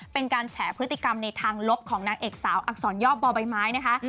เป็นการแฉพฤติกรรมในทางลบของนางเอกสาวอักษรย่อบ่อใบไม้นะคะ